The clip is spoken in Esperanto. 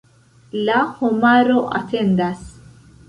La homaro atendas.